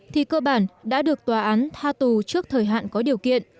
thì cơ bản đã được tòa án tha tù trước thời hạn có điều kiện